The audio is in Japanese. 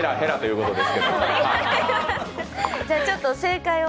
じゃあ、ちょっと正解を。